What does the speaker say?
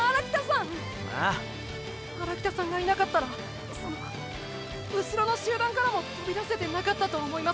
荒北さんがいなかったらその後ろの集団からもとびだせてなかったと思います。